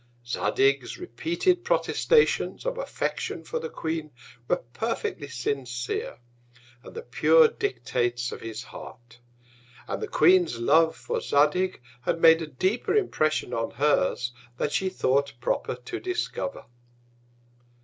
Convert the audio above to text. Zadig's repeated Protestations of Affection for the Queen were perfectly sincere, and the pure Dictates of his Heart; and the Queen's Love for Zadig had made a deeper Impression on hers, than she thought proper to discover.